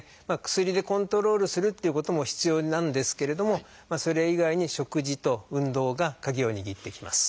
薬でコントロールするっていうことも必要なんですけれどもそれ以外に食事と運動が鍵を握ってきます。